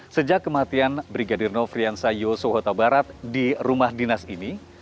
sejak kematian brigadir nofriansa yoso hota barat di rumah dinas ini